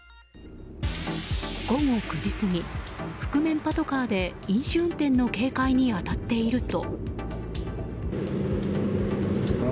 午後９時過ぎ、覆面パトカーで飲酒運転の警戒に当たっていると。